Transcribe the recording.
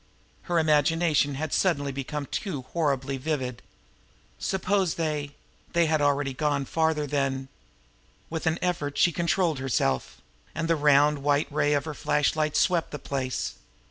Her imagination had suddenly become too horribly vivid. Suppose they they had already gone farther than... With an effort she controlled herself and the round, white ray of her flashlight swept the place.